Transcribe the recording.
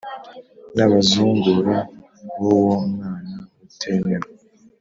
n abazungura b uwo mwana utemewe